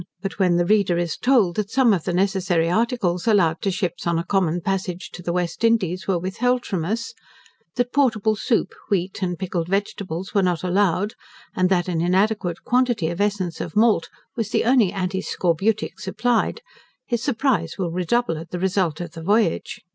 But when the reader is told, that some of the necessary articles allowed to ships on a common passage to West Indies, were withheld from us; that portable soup, wheat, and pickled vegetables were not allowed; and that an inadequate quantity of essence of malt was the only antiscorbutic supplied, his surprise will redouble at the result of the voyage.